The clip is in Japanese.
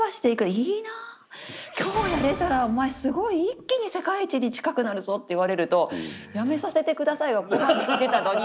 「いいなあ今日やれたらお前すごい一気に世界一に近くなるぞ」って言われると「やめさせて下さい」がここまで来てたのに。